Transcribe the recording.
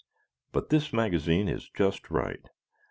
But this magazine is just right.